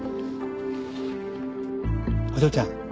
お嬢ちゃん。